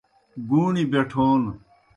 گُوݨیْ بیٹھون